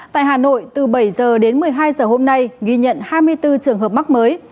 tại hà nội từ bảy h đến một mươi hai h hôm nay ghi nhận hai mươi bốn trường hợp mắc mới